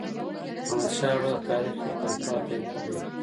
احمدشاه بابا د تاریخ یو تل پاتی نوم دی.